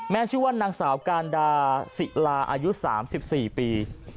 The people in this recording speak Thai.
แม่ชื่อนางสาวกาณดาศิระอายุ๓๔ปี